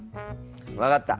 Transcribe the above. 分かった！